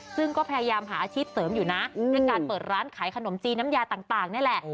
ซึ่งก็พยายามหาอาชีพเสริมอยู่นะด้วยการเปิดร้านขายขนมจีนน้ำยาต่างนี่แหละ